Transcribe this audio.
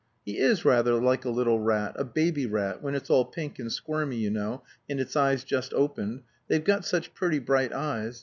He is rather like a little rat a baby rat, when it's all pink and squirmy, you know, and its eyes just opened they've got such pretty bright eyes.